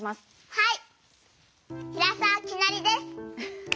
はい。